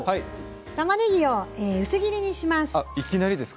たまねぎを薄切りにします。